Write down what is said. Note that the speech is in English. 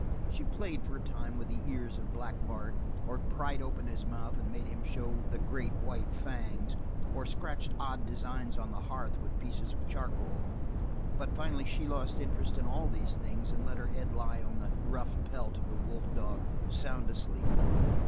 She played for a time with the ears of Black Bart, or pried open his mouth and made him show the great white fangs, or scratched odd designs on the hearth with pieces of charcoal; but finally she lost interest in all these things and let her head lie on the rough pelt of the wolf dog, sound asleep.